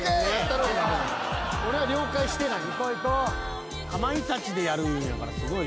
俺は了解してない。